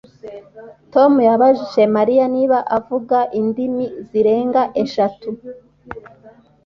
Tom yabajije Mariya niba avuga indimi zirenga eshatu